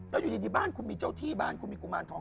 แล้วอยู่ดีบ้านคุณมีเจ้าที่บ้านคุณมีกุมารทอง